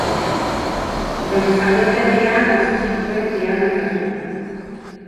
Bere jaioterrian hasi zituen piano-ikasketak.